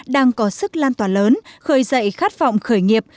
đang có sức lan tỏa lớn khởi dậy khát vọng khởi nghiệp